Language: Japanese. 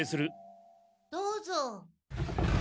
・どうぞ。